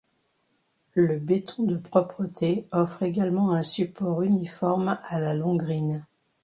Le béton de propreté offre également un support uniforme à la longrine.